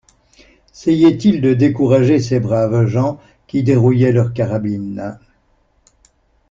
Seyait-il de décourager ces braves gens qui dérouillaient leurs carabines?